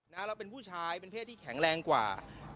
เราเป็นผู้ชายเป็นเพศที่แข็งแรงกว่า